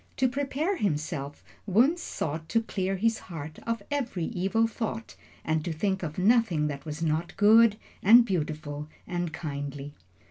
To prepare himself, Wunzh sought to clear his heart of every evil thought and to think of nothing that was not good, and beautiful, and kindly.